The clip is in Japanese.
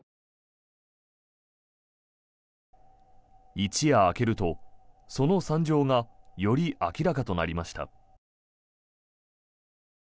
一夜明けると、その惨状がより明らかとなりました。